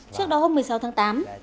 trước đó hôm một mươi sáu tháng tám